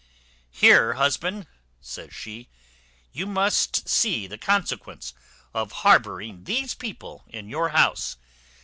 "Here, husband," says she, "you see the consequence of harbouring these people in your house.